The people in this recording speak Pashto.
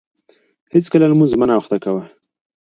هیڅکله لمونځ مه ناوخته کاوه.